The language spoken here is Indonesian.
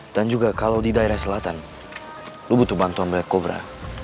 dan juga kalau di daerah selatan lu butuh bantuan black cobra